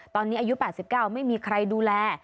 ตอนนี้อายุ๘๙ไม่มีใครดูแล